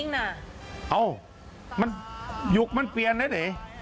อ๋อเข้าบ้านเจ็ด